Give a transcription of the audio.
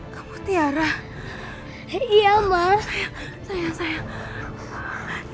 saya berhenti semangat wangi